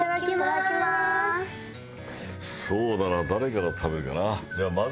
そうだな誰から食べるかな。